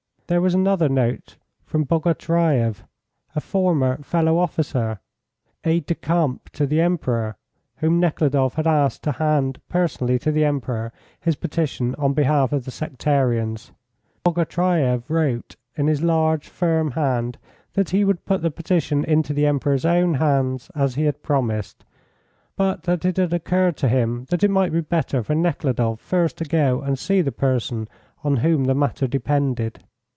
There was another note from Bogotyreff, a former fellow officer, aide de camp to the Emperor, whom Nekhludoff had asked to hand personally to the Emperor his petition on behalf of the sectarians. Bogotyreff wrote, in his large, firm hand, that he would put the petition into the Emperor's own hands, as he had promised; but that it had occurred to him that it might be better for Nekhludoff first to go and see the person on whom the matter depended.